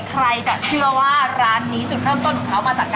ใครจะเชื่อว่าร้านนี้จุดเริ่มต้นของเขามาจากไหน